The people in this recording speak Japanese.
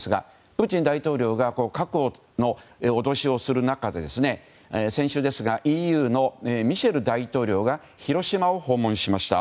プーチン大統領が核の脅しをする中で先週、ＥＵのミシェル大統領が広島を訪問しました。